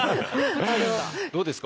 どうですか？